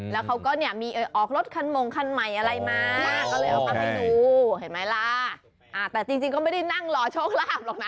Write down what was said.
แต่จริงก็ไม่ได้นั่งรอโชคราบหรอกนะ